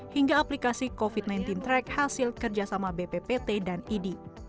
hingga aplikasi covid sembilan belas track hasil kerjasama bppt dan idi